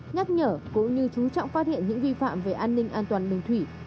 nhắc nhở cũng như chú trọng phát hiện những vi phạm về an ninh an toàn đường thủy